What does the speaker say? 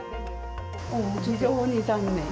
非常に残念。